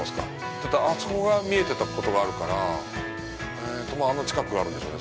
だって、あそこが見えてたことがあるから、もうあの近くにあるんでしょうね。